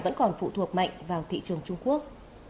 vẫn còn phụ thuộc mạnh vào thị trường trung quốc